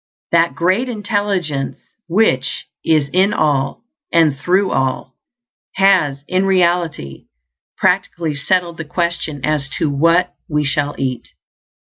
That Great Intelligence, which is in all and through all, has in reality practically settled the question as to what we shall eat.